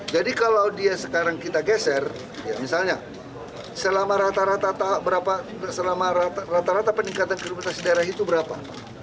jadi kalau dia sekarang kita geser ya misalnya selama rata rata peningkatan kriminalitas daerah itu berapa